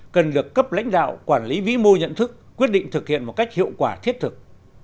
cần được cấp lãnh đạo quản lý vĩ mô nhận thức quyết định thực hiện một cách hiệu quả thiết thực